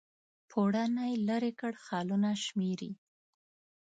پوړونی لیري کړ خالونه شمیري